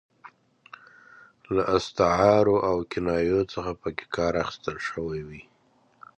له استعارو او کنایو څخه پکې کار اخیستل شوی وي.